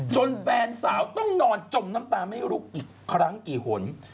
แฟนสาวต้องนอนจมน้ำตาไม่ลุกอีกครั้งกี่หน